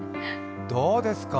どうですか？